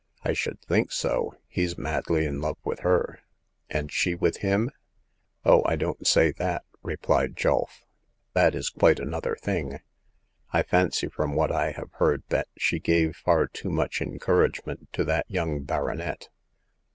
" I should think so ! He's madly in love with her." *' And she with him ?" '*0h, I don't say that," replied Julf; *'that is quite another thing. I fancy from what I have heard that she gave far too much encouragement to that young baronet.